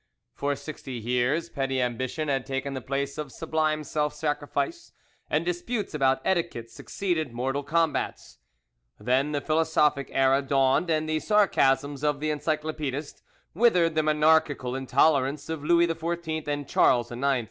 For sixty years petty ambition had taken the place of sublime self sacrifice, and disputes about etiquette succeeded mortal combats. Then the philosophic era dawned, and the sarcasms of the encyclopedists withered the monarchical intolerance of Louis XIV and Charles IX.